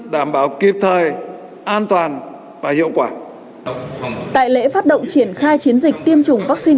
đảm bảo kịp thời an toàn và hiệu quả tại lễ phát động triển khai chiến dịch tiêm chủng vaccine